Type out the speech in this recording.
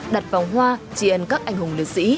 đặt vòng hoa tri ân các anh hùng liệt sĩ